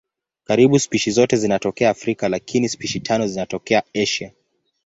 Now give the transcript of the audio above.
Karibu spishi zote zinatokea Afrika lakini spishi tano zinatokea Asia.